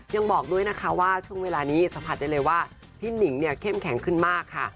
ยังบอกด้วยนะคะว่าช่วงเวลานี้สัมผัสได้เลยว่าพี่หนิงเนี่ยเข้มแข็งขึ้นมากค่ะ